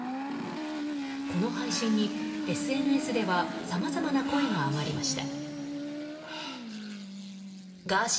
この配信にＳＮＳではさまざまな声が上がりました。